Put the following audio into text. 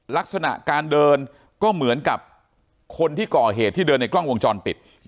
ลักษณะการเดินก็เหมือนกับคนที่ก่อเหตุที่เดินในกล้องวงจรปิด